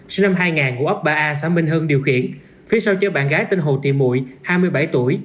sinh năm hai nghìn ngũ ấp ba a xã minh hưng điều khiển phía sau cho bạn gái tên hồ thị mụi hai mươi bảy tuổi